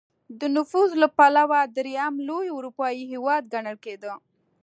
د نفوس له پلوه درېیم لوی اروپايي هېواد ګڼل کېده.